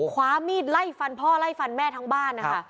คว้ามีดไล่ฟันพ่อไล่ฟันแม่ทั้งบ้านนะคะ